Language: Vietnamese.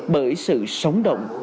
bởi sự sóng động